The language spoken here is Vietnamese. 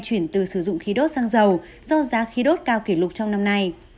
chuyển từ sử dụng khí đốt sang dầu do giá khí đốt cao kỷ lục trong năm nay